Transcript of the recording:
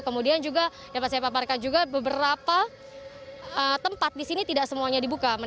kemudian juga dapat saya paparkan juga beberapa tempat di sini tidak semuanya dibuka